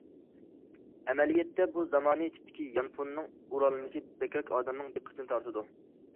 ئەمەلىيەتتە بۇ زامانىۋى تىپتىكى يانفوننىڭ ئورالمىسى بەكرەك ئادەمنىڭ دىققىتىنى تارتىدۇ.